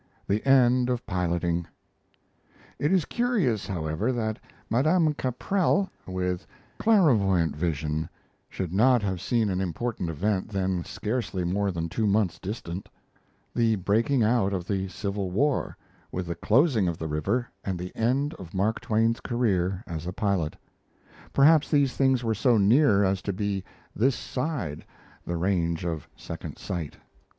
THE END OF PILOTING It is curious, however, that Madame Caprell, with clairvoyant vision, should not have seen an important event then scarcely more than two months distant: the breaking out of the Civil War, with the closing of the river and the end of Mark Twain's career as a pilot. Perhaps these things were so near as to be "this side" the range of second sight.